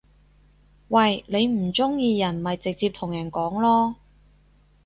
喂！你唔中意人咪直接同人講囉